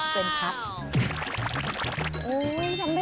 เป็นทัพ